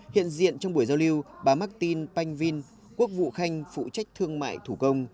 hiện diện trong buổi giao lưu bà martin panh vinh quốc vụ khanh phụ trách thương mại thủ công